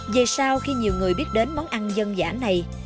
về sau khi nhiều người biết đến món ăn dân giả này